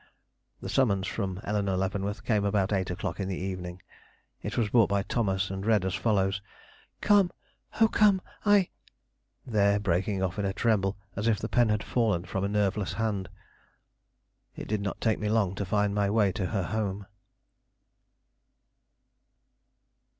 The summons from Eleanore Leavenworth came about eight o'clock in the evening. It was brought by Thomas, and read as follows: "Come, Oh, come! I " there breaking off in a tremble, as if the pen had fallen from a nerveless hand. It did not take me long to find my way to her home.